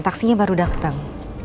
taksinya baru dateng